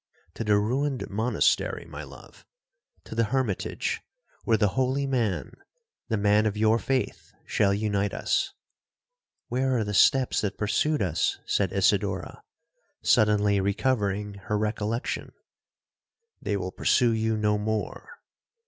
—'To the ruined monastery, my love,—to the hermitage, where the holy man, the man of your faith, shall unite us.'—'Where are the steps that pursued us?' said Isidora, suddenly recovering her recollection.—'They will pursue you no more.'